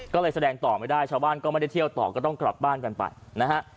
ก็เลยแสดงต่อไม่ได้ชาวบ้านก็ไม่ได้เที่ยวต่อก็ต้องกลับบ้านกันไปนะฮะ